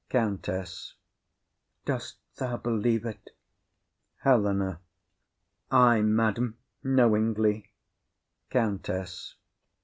COUNTESS. Dost thou believe't? HELENA. Ay, madam, knowingly. COUNTESS.